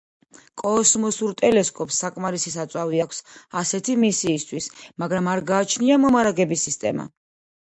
კოსმოსურ ტელესკოპს საკმარისი საწვავი აქვს ასეთი მისიისთვის, მაგრამ არ გააჩნია მომარაგების სისტემა.